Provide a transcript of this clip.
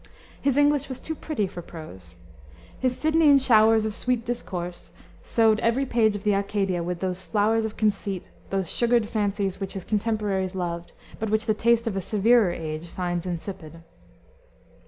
His English was too pretty for prose. His "Sidneian showers of sweet discourse" sowed every page of the Arcadia with those flowers of conceit, those sugared fancies which his contemporaries loved, but which the taste of a severer age finds insipid.